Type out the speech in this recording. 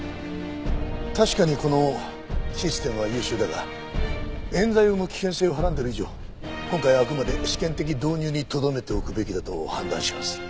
確かにこのシステムは優秀だが冤罪を生む危険性をはらんでる以上今回はあくまで試験的導入にとどめておくべきだと判断します。